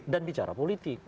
dan bicara politik